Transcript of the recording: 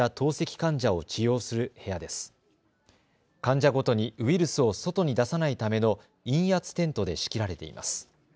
患者ごとにウイルスを外に出さないための陰圧テントで仕切られています。